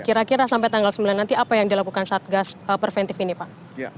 kira kira sampai tanggal sembilan nanti apa yang dilakukan satgas preventif ini pak